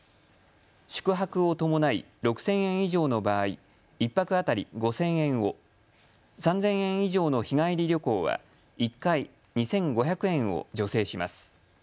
宿泊を伴い６０００円以上の場合１泊当たり５０００円を、３０００円以上の日帰り旅行は１回２５００円を助成します。